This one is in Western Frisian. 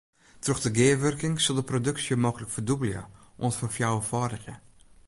Troch de gearwurking sil de produksje mooglik ferdûbelje oant ferfjouwerfâldigje.